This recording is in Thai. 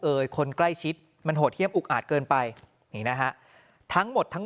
คนใกล้ชิดมันโหดเยี่ยมอุกอาจเกินไปนี่นะฮะทั้งหมดทั้ง